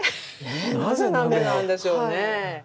なぜ鍋なんでしょうね。